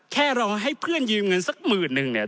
แค่รอให้เพื่อนยืมเงินสักหมื่นนึงเนี่ย